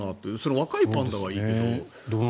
若いパンダはいいけど。